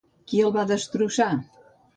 Qui el va destrossar?